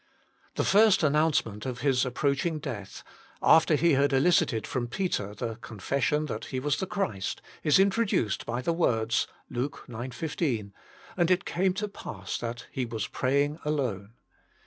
The first announcement of His approaching death, after He had elicited from Peter the confession that He was the Christ, is introduced by the words IN THE NAME OF CHKIST 135 (Luke ix. 1 5), " And it came to pass that He was praying alone."